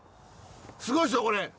すごいですよこれ。